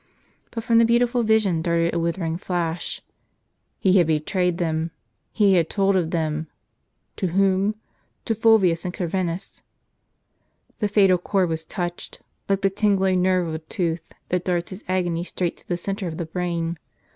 But from the beautiful vision darted a withering flash; he had betrayed them ; he had told of them ; to whom ? To Fulvius and Cor vinus. The fatal chord was touched, like the tingling nerve of a tooth, that darts its agony straight to the centre of the brain.